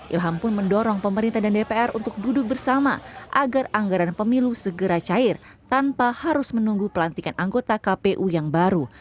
ilham pun mendorong pemerintah dan dpr untuk duduk bersama agar anggaran pemilu segera cair tanpa harus menunggu pelantikan anggota kpu yang baru